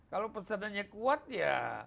kalau pesanannya kuat ya